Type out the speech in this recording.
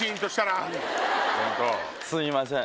すみません。